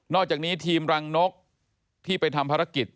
อกจากนี้ทีมรังนกที่ไปทำภารกิจ